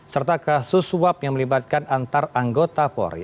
serta kasus swab yang melibatkan antaranggota polri